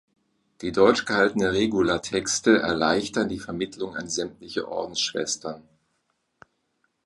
Die deutsch gehaltenen Regula-Texte erleichterten die Vermittlung an sämtliche Ordensschwestern.